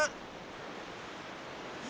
あ。